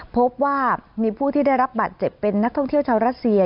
พบว่ามีผู้ที่ได้รับบาดเจ็บเป็นนักท่องเที่ยวชาวรัสเซีย